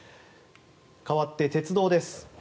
かわって鉄道です。